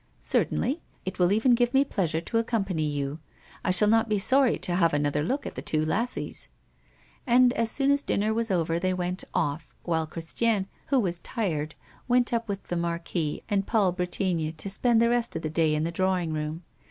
"Certainly. It will even give me pleasure to accompany you. I shall not be sorry to have another look at the two lassies." And, as soon as dinner was over, they went off, while Christiane, who was tired, went up with the Marquis and Paul Bretigny to spend the rest of the day in the drawing room.